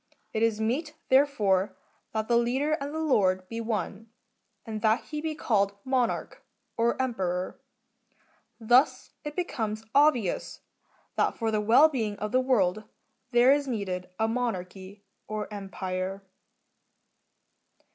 It is meet, therefore, that the leader and lord be one, and that he be called Monarch, or Emperor. Thus it becomes obvious that for the well being of the world there is needed a Monarchy, or Empire.